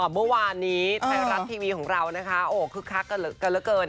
เมื่อวานนี้ไทยรัฐทีวีของเราคึกคักกันเกิน